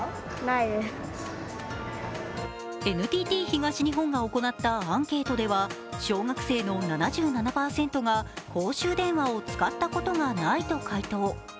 ＮＴＴ東日本が行ったアンケートでは小学生の７７％が公衆電話を使ったことがないと回答。